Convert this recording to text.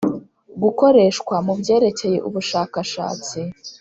gukoreshwa mu byerekeye ubushakashatsi